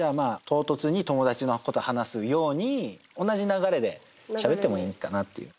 とうとつに友だちのこと話すように同じ流れでしゃべってもいいんかなっていう。